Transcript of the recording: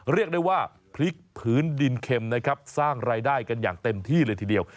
เรียกได้ว่าพลิกผืนดินเข็มนะครับสร้างรายได้กันอย่างเต็มที่เลยทีเดียว